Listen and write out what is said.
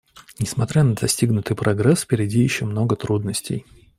Несмотря на достигнутый прогресс, впереди еще много трудностей.